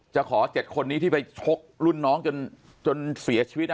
ขอ๗คนนี้ที่ไปชกรุ่นน้องจนเสียชีวิต